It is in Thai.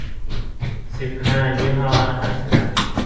สิบห้า ยี่ห้ออาหารสุนัข